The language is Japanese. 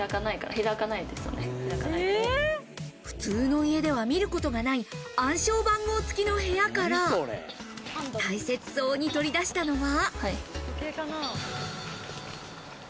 普通の家では見ることがない暗証番号つきの部屋から、大切そうに取り出したのは。